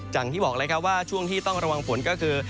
จังที่บอกเลยว่าช่วงที่ต้องระวังฝนก็คือ